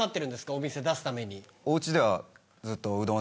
お店出すために。